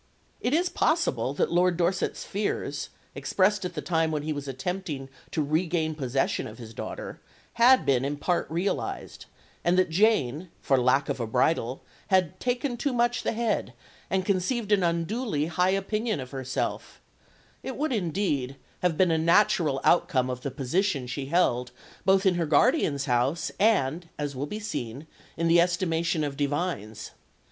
It is possible that Lord Dorset's fears, expressed at the time when he was attempting to regain possession of his daughter, had been in part realised; and that Jane, "for lack of a bridle," had "taken too much the head," and conceived an unduly high opinion of herself it would indeed have been a natural outcome of the position she held both in her guardian's house and, as will be seen, in the estimation of divines.